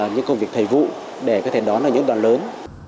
những công việc thầy vụ để có thể đón vào những đoạn lớn